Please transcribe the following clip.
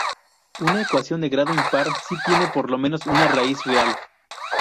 Una ecuación de grado impar, si tiene por lo menos una raíz real.